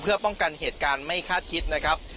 เพื่อป้องกันเหตุการณ์ไม่คาดคิดนะครับ